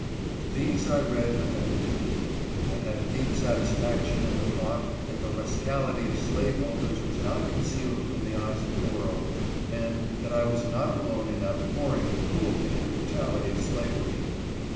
These I read with avidity. I had a deep satisfaction in the thought that the rascality of slave .J holders was not concealed from the eyes of the world, and x 110 ABOLITIONISTS. that I was not alone in abhorring the cruelty and brutality of slavery.